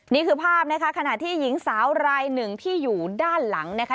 นี่คือภาพนะคะขณะที่หญิงสาวรายหนึ่งที่อยู่ด้านหลังนะคะ